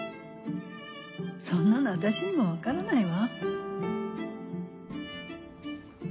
そんなの私にもわからないわ。